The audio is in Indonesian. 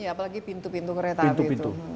apalagi pintu pintu kereta api itu